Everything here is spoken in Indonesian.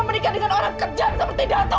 menikah dengan orang kejam seperti dato